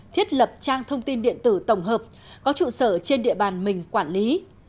thiết lập trang thông tin điện tử tổng hợp có trụ sở trên địa bàn mình quản lý